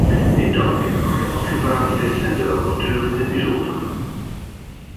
Ik dank de geachte afgevaardigden en de rapporteur in het bijzonder.